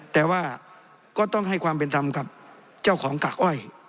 แต่ว่าก็ต้องให้ความเป็นธรรมกับเจ้าของกากอ้อย